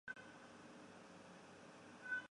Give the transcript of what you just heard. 遥距交流持续性的工作沟通与协作